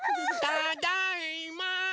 ただいま！